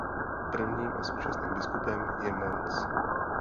Prvním a současným biskupem je Mons.